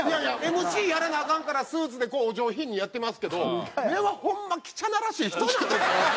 ＭＣやらなアカンからスーツでお上品にやってますけど根はホンマ汚らしい人なんです。